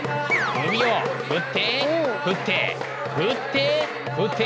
首を振って振って振って振って。